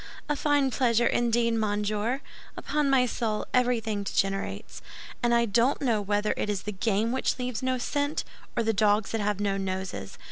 "A fine pleasure, indeed, monsieur! Upon my soul, everything degenerates; and I don't know whether it is the game which leaves no scent, or the dogs that have no noses.